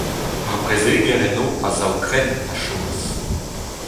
Ar prezeger eno a-sav krenn a chomas.